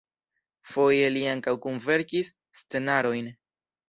Foje li ankaŭ kunverkis scenarojn.